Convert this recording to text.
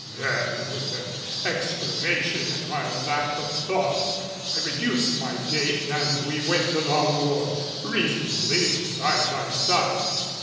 Then, with an exclamation at my lack of thought, I reduced my gait and we went along more reasonably side by side.